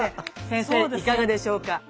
先生いかがでしょうか？